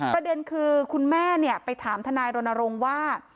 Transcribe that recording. ประเด็นคือคุณแม่ไปถามทนายรณรงค์ว่า